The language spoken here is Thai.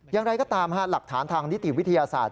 อย่างไรก็ตามหลักฐานทางนิติวิทยาศาสตร์